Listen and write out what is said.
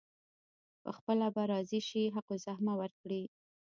پخپله به راضي شي حق الزحمه ورکړي.